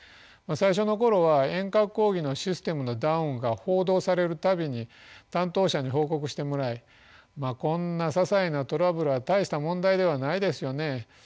最初の頃は遠隔講義のシステムのダウンが報道される度に担当者に報告してもらい「まこんなささいなトラブルは大した問題ではないですよね。